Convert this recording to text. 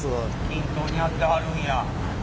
均等にやってはるんや。